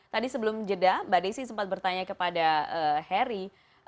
tadi sebelum jeda mbak desi sempat bertanya kepada harry